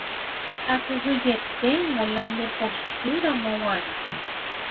akyhyjeténgo la nde pochýramo g̃uarã